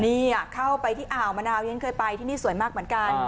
นี่เข้าไปที่อ่าวมะนาวฉันเคยไปที่นี่สวยมากเหมือนกัน